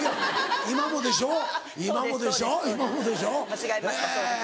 間違えましたそうです。